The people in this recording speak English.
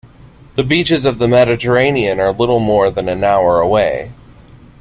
The beaches of the Mediterranean are little more than an hour away.